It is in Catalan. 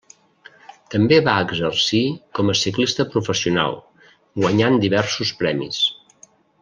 També va exercir com a ciclista professional, guanyant diversos premis.